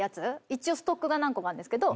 一応ストックが何個もあるんですけど。